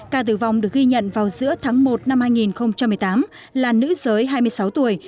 ca tử vong được ghi nhận vào giữa tháng một năm hai nghìn một mươi tám là nữ giới hai mươi sáu tuổi